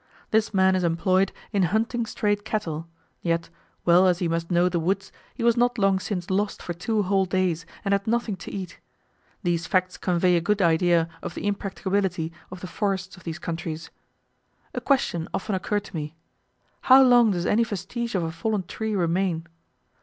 This man is employed in hunting strayed cattle; yet, well as he must know the woods, he was not long since lost for two whole days, and had nothing to eat. These facts convey a good idea of the impracticability of the forests of these countries. A question often occurred to me how long does any vestige of a fallen tree remain?